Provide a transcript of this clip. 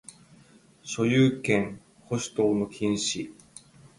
所有権留保等の禁止